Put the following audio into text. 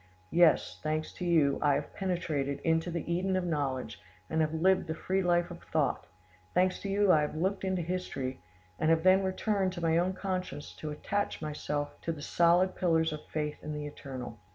Yes, thanks to you, I have penetrated into the Eden of knowledge, and have lived the free life of thought; thanks to you, I have looked into history, and have then returned to my own conscience to attach myself to the solid pillars of faith in the Eternal.